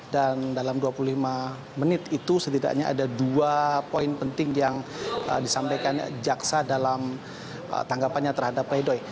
dan dalam dua puluh lima menit itu setidaknya ada dua poin penting yang disampaikan jaksa dalam tanggapannya terhadap playdohi